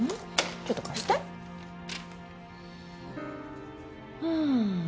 ちょっと貸してうーん